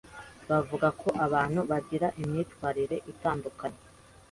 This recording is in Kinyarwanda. bavuga ko abantu bagira imyitwarire itandukanye